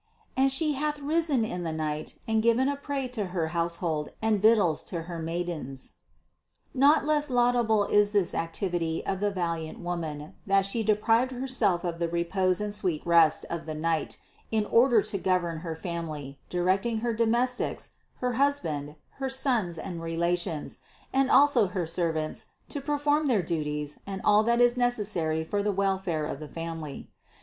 "And She hath risen in the night, and given a prey to her household, and victuals to her maidens." Not less laudable is this activity of the valiant woman, that she deprived Herself of the repose and sweet rest of the night in order to govern her family, directing her domestics, her husband, her sons and relations, and also her servants to perform their duties and all that is neces sary for the welfare of the family.